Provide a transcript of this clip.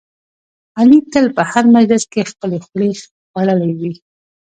علي تل په هر مجلس کې خپلې خولې خوړلی وي.